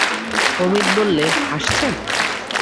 অমিত বললে, হাসছেন!